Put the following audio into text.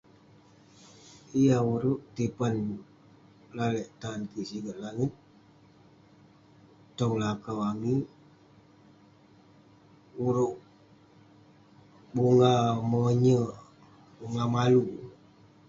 Yah urouk tipan lalek tan kik siget langit, tong lakau amik, urouk..bunga monyek..bunga malu..